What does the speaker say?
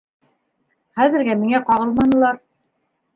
Хәҙергә миңә ҡағылманылар.